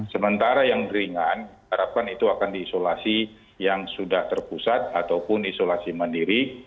sementara yang ringan harapkan itu akan diisolasi yang sudah terpusat ataupun isolasi mandiri